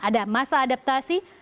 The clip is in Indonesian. ada masa adaptasi